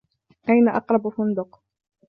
أين أقرب فندق؟